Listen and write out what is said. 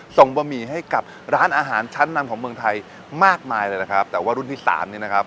บะหมี่ให้กับร้านอาหารชั้นนำของเมืองไทยมากมายเลยนะครับแต่ว่ารุ่นที่สามนี่นะครับ